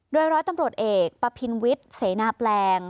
โดยร้อยตำรวจเอกปะพินวิทย์เสนาแปลง